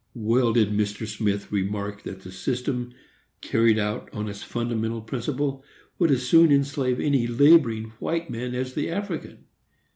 Well did Mr. Smith remark that the system, carried out on its fundamental principle, would as soon enslave any laboring white man as the African.